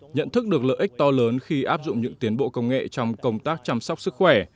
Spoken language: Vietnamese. nhận thức được lợi ích to lớn khi áp dụng những tiến bộ công nghệ trong công tác chăm sóc sức khỏe